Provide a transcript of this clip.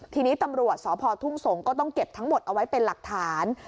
ทีนี้ตำรวจสพทุ่งสงศ์ก็ต้องเก็บทั้งหมดเอาไว้เป็นหลักฐาน